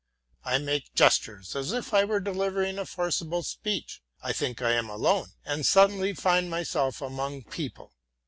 I make gestures as if I were delivering a forcible speech; I think I am alone and suddenly find myself among people.